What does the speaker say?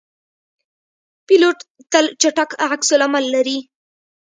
پیلوټ تل چټک عکس العمل لري.